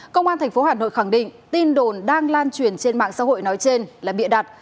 công an tp hà nội khẳng định tin đồn đang lan truyền trên mạng xã hội nói trên là bịa đặt